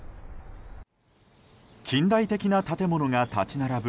近代的な建物が立ち並ぶ